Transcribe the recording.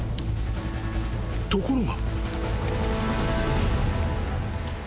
［ところが］